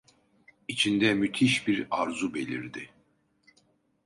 İçinde müthiş bir arzu belirdi.